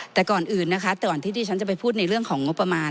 แต่ก่อนอื่นนะคะแต่ก่อนที่ดิฉันจะไปพูดในเรื่องของงบประมาณ